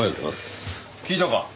聞いたか？